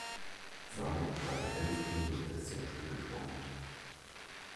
Sage und schreibe elf Kilometer ist sie am Stück geschwommen.